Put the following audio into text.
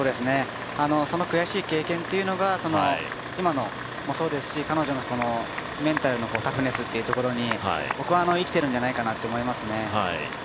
その悔しい経験というのが今もそうですし彼女のメンタルのタフネスというところに生きているんじゃないかと思いますね。